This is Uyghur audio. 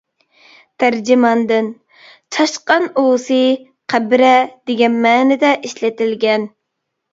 تەرجىماندىن: «چاشقان ئۇۋىسى» «قەبرە» دېگەن مەنىدە ئىشلىتىلگەن.